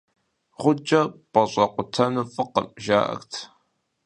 Гъуджэ пӀэщӀэкъутэну фӀыкъым, жаӀэрт.